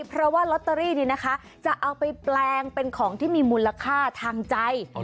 เพราะว่าลอตเตอรี่นี้นะคะจะเอาไปแปลงเป็นของที่มีมูลค่าทางใจ